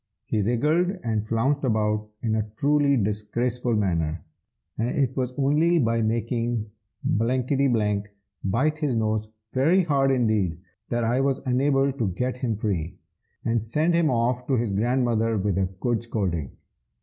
He wriggled and flounced about in a truly disgraceful manner, and it was only by making Bmfkgth bite his nose very hard indeed that I was enabled to get him free, and send him off to his grandmother with a good scolding.